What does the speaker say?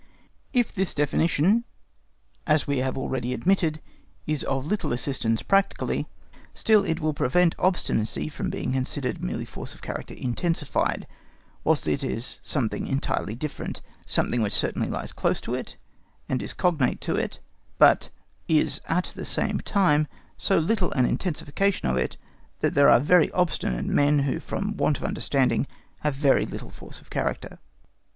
If this definition, as we have already admitted, is of little assistance practically, still it will prevent obstinacy from being considered merely force of character intensified, whilst it is something essentially different—something which certainly lies close to it and is cognate to it, but is at the same time so little an intensification of it that there are very obstinate men who from want of understanding have very little force of character.